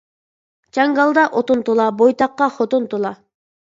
جاڭگالدا ئوتۇن تولا، بويتاققا خوتۇن تولا.